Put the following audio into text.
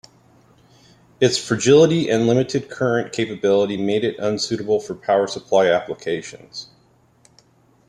Its fragility and limited current capability made it unsuitable for power supply applications.